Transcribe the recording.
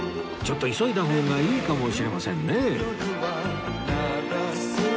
ちょっと急いだ方がいいかもしれませんね